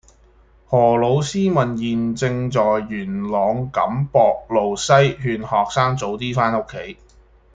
何老師問現正在元朗錦壆路西勸學生早啲返屋企